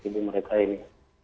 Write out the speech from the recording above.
jadi mereka ini